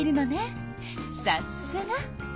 さすが！